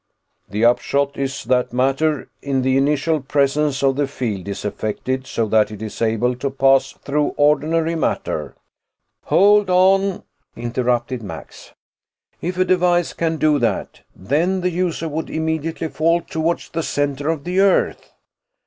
"The upshot is that matter in the initial presence of the field is affected so that it is able to pass through ordinary matter " "Hold on," interrupted Max. "If a device can do that, then the user would immediately fall towards the center of the Earth."